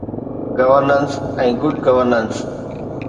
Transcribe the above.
Governance ۽ good governance.